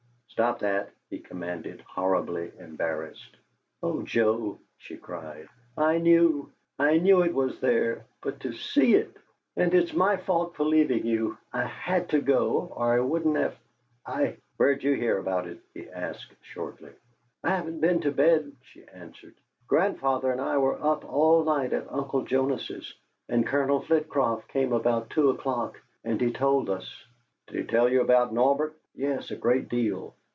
"Stop that!" he commanded, horribly embarrassed. "Oh, Joe," she cried, "I knew! I knew it was there but to SEE it! And it's my fault for leaving you I HAD to go or I wouldn't have I " "Where'd you hear about it?" he asked, shortly. "I haven't been to bed," she answered. "Grandfather and I were up all night at Uncle Jonas's, and Colonel Flitcroft came about two o'clock, and he told us." "Did he tell you about Norbert?" "Yes a great deal."